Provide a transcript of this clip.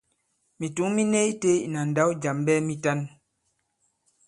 Mìtǔŋ mi ni itē ìna ndǎw jàm ɓɛɛ mitan.